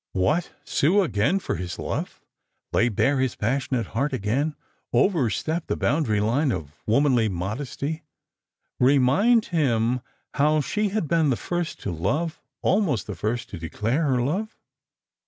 What, sue again for his love, lay bare her passionate heart, again overstep the boundary line of womanly modesty, remind him how she had been the first to love, almost the first to declare her love?